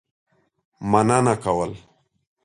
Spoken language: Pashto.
مننه کول.